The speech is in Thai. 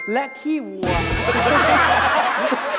และขี้วัว